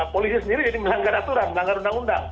polisi sendiri jadi melanggar aturan melanggar undang undang